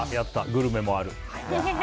グルメもある。